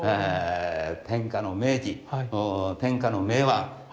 天下の名器天下の名碗。